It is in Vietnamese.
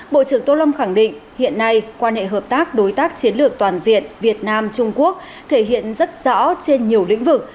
bộ trưởng tô lâm khẳng định hiện nay quan hệ hợp tác đối tác chiến lược toàn diện việt nam trung quốc thể hiện rất rõ trên nhiều lĩnh vực